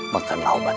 makanlah obat ini